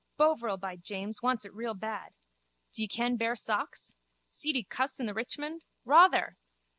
Bovril, by James. Wants it real bad. D'ye ken bare socks? Seedy cuss in the Richmond? Rawthere!